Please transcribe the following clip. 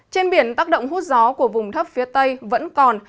trên biển tác động hút gió của vùng thấp phía tây vẫn còn